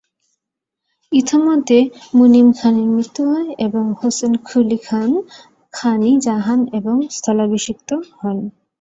ইতোমধ্যে মুনিম খানের মৃত্যু হয় এবং হোসেনকুলী খান খান-ই-জাহান তাঁর স্থলাভিষিক্ত হন।